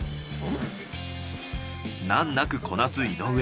難なくこなす井上。